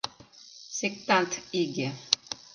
— Сектант иге!